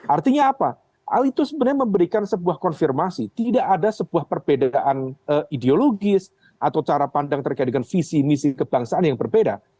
artinya apa hal itu sebenarnya memberikan sebuah konfirmasi tidak ada sebuah perbedaan ideologis atau cara pandang terkait dengan visi misi kebangsaan yang berbeda